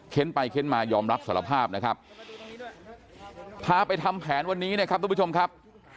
ไปเค้นมายอมรับสารภาพนะครับพาไปทำแผนวันนี้นะครับทุกผู้ชมครับ